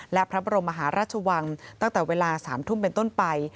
และพระบรมมหาราชวังตั้งแต่เวลา๓ทุ่มเป็นต้นไป